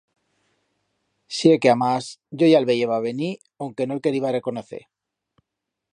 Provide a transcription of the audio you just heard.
Si é que amás yo ya el veyeba venir, onque no el queriba reconocer.